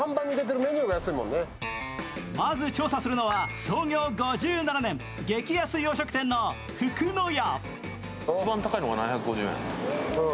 まず調査するのは創業５７年、激安洋食店のフクノヤ。